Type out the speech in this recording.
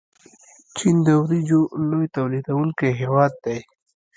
چین د وریجو لوی تولیدونکی هیواد دی.